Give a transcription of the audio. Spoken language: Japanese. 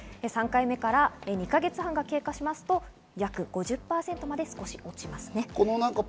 ３回目から２か月半が経過しますと約５０％まで少し落ちます。